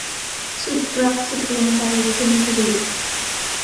สุดรักสุดดวงใจ - เพ็ญศิริ